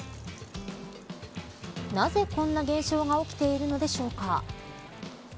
なぜこんな現象が起きているのでしょうか。